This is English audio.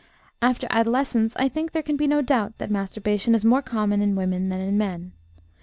After adolescence I think there can be no doubt that masturbation is more common in women than in men.